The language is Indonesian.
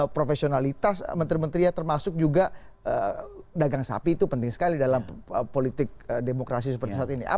profesionalitas menteri menterinya termasuk juga dagang sapi itu penting sekali dalam politik demokrasi seperti saat ini